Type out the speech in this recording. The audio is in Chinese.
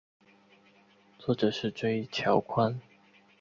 作者是椎桥宽。